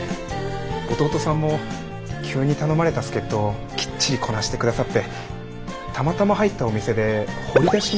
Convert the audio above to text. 弟さんも急に頼まれた助っ人をきっちりこなして下さってたまたま入ったお店で掘り出し物のつぼを見つけたみたいにうれしいですよ。